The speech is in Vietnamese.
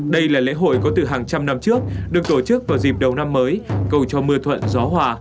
đây là lễ hội có từ hàng trăm năm trước được tổ chức vào dịp đầu năm mới cầu cho mưa thuận gió hòa